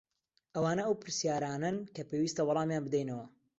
ئەوانە ئەو پرسیارانەن کە پێویستە وەڵامیان بدەینەوە.